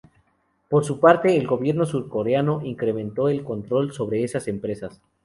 Por su parte, el gobierno surcoreano incrementó el control sobre esas empresas.